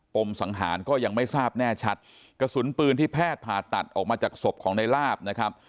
มสังหารก็ยังไม่ทราบแน่ชัดกระสุนปืนที่แพทย์ผ่าตัดออกมาจากศพของในลาบนะครับ